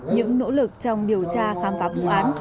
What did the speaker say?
những nỗ lực trong điều tra khám phá vụ án